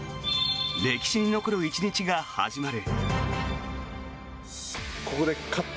歴史に残る１日が始まる。